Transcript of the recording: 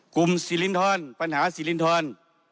กลุ่มสิรินทรปัญหาสิรินทร